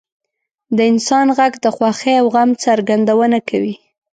• د انسان ږغ د خوښۍ او غم څرګندونه کوي.